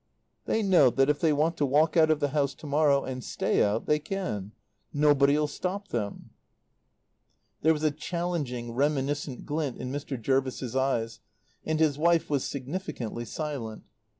"They know that if they want to walk out of the house to morrow, and stay out, they can. Nobody'll stop them." There was a challenging, reminiscent glint in Mr. Jervis's eyes, and his wife was significantly silent.